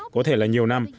có thể là nhiều năm